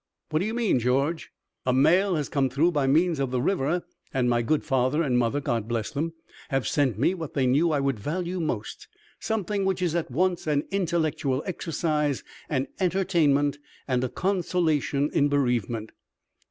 "What do you mean, George?" "A mail has come through by means of the river, and my good father and mother God bless 'em have sent me what they knew I would value most, something which is at once an intellectual exercise, an entertainment, and a consolation in bereavement."